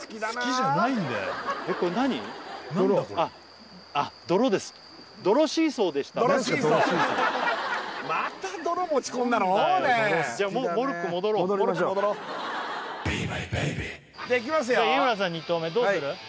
じゃあ日村さん２投目どうする？